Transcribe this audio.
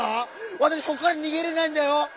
わたしこっからにげれないんだよ。